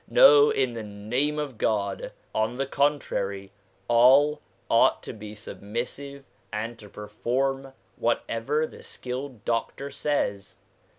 No, in the name of God ! on the contrary, all ought to be submissive and to perform whatever the skilled doctor says.